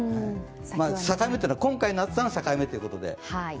境目っていうのは今回の暑さの境目ということで。